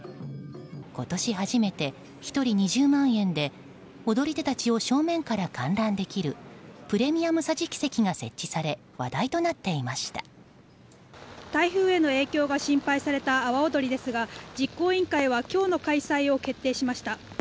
今年初めて、１人２０万円で踊り手たちを正面から観覧できるプレミアム桟敷席が設置され台風への影響が心配された阿波踊りですが、実行委員会は今日の開催を決定しました。